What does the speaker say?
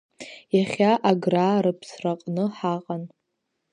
Иахьа Аграа рыԥсраҟны ҳаҟан.